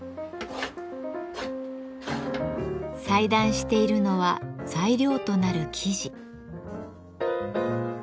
裁断しているのは材料となる生地。